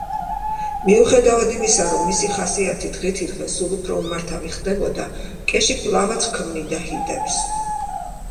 მიუხედავად იმისა, რომ მისი ხასიათი დღითიდღე სულ უფრო უმართავი ხდებოდა, კეში კვლავაც ქმნიდა ჰიტებს.